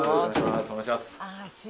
お願いします。